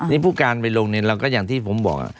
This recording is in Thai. นี่ผู้การไปลงเนี่ยเราก็อย่างที่ผมบอก